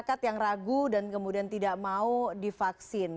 masyarakat yang ragu dan kemudian tidak mau divaksin